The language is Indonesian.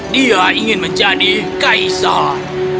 dia ingin menjadi kaisar